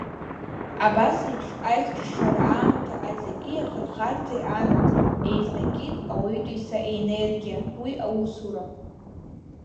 Абас еиԥш аихышшара аамҭа аҵаки ахырхарҭеи анаҭеит, еизнакит ауаҩытәыҩса иенергиа, уи аусура.